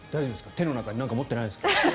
手の中に何か持ってないですか？